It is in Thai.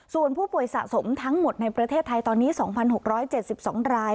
ส่วนผู้ป่วยสะสมทั้งหมดในประเทศไทยตอนนี้๒๖๗๒ราย